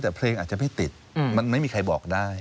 แต่เพลงอาจจะไม่ติดมันไม่มีใครบอกได้